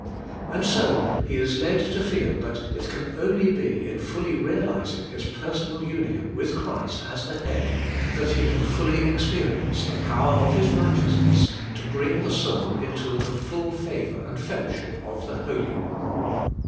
And so he is led to feel that it can only be in fully realizing his per sonal union with Christ as the head, that he can fully experience the power of His righteousness to bring the soul into the full favour and fellowship of the Holy One.